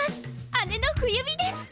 姉の冬美です！